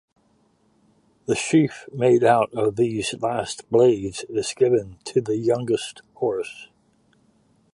The sheaf made out of these last blades is given to the youngest horse.